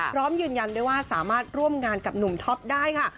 พร้อมยืนยันด้วยว่าสามารถร่วมงานกับหนุ่มท็อปได้ค่ะ